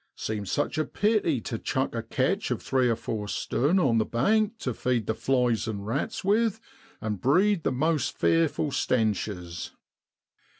Seems such a pity to chuck a catch of three or four stun on the bank tu feed the flies an' rats with an' breed most fearful stenches.